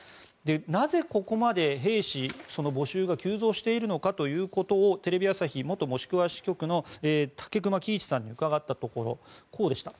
なぜ、ここまで兵士の募集が急増しているのかということをテレビ朝日元モスクワ支局の武隈喜一さんに伺ったところこうでした。